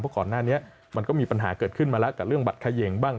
เพราะก่อนหน้านี้มันก็มีปัญหาเกิดขึ้นมาแล้วกับเรื่องบัตรเขย่งบ้าง